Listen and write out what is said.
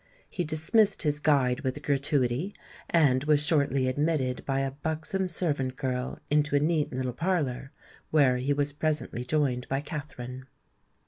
He dismissed his guide with a gratuity, and was shortly admitted by a buxom servant girl into a neat little parlour, where he was presently joined by Katherine.